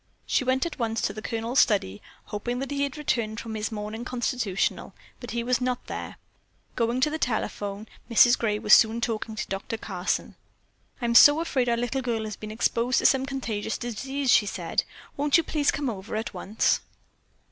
She went at once to the Colonel's study, hoping that he had returned from his morning constitutional, but he was not there. Going to the telephone, Mrs. Gray was soon talking to Doctor Carson. "I'm so afraid our little girl has been exposed to some contagious disease," she said. "Won't you please come over at once?"